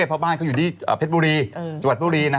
เพราะบ้านเขาก็อยู่ที่ประโปรี